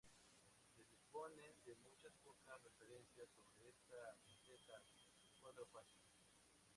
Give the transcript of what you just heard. Se disponen de muy pocas referencias sobre esta gaceta de cuatro páginas.